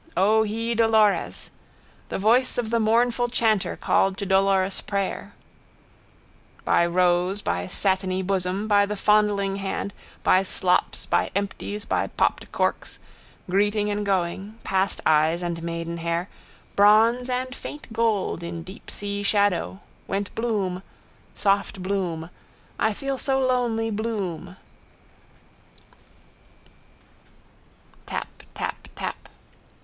O, he dolores! The voice of the mournful chanter called to dolorous prayer. By rose, by satiny bosom, by the fondling hand, by slops, by empties, by popped corks, greeting in going, past eyes and maidenhair, bronze and faint gold in deepseashadow, went Bloom, soft Bloom, I feel so lonely Bloom. Tap. Tap. Tap.